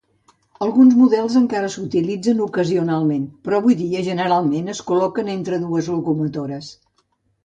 Alguns models encara s'utilitzen ocasionalment, però avui dia generalment es col·loquen entre dues locomotores.